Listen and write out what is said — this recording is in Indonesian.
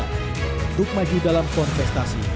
sebelumnya jokowi menyatakan sudah meresui putra sulungnya